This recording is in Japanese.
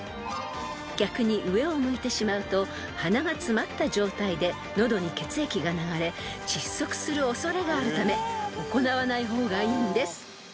［逆に上を向いてしまうと鼻が詰まった状態で喉に血液が流れ窒息する恐れがあるため行わない方がいいんです］